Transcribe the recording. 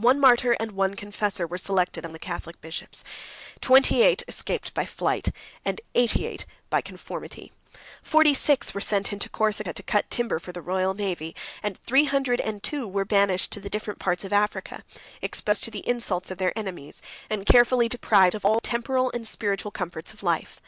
One martyr and one confessor were selected among the Catholic bishops; twenty eight escaped by flight, and eighty eight by conformity; forty six were sent into Corsica to cut timber for the royal navy; and three hundred and two were banished to the different parts of Africa, exposed to the insults of their enemies, and carefully deprived of all the temporal and spiritual comforts of life.